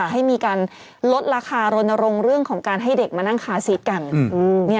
ให้มีการลดราคารณรงค์เรื่องของการให้เด็กมานั่งคาซีสกัน